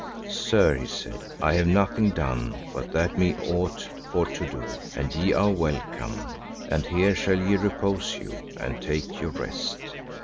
Sir, he said, I have nothing done but that me ought for to do, and ye are welcome, and here shall ye repose you and take your rest.